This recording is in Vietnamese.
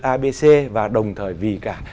abc và đồng thời vì cả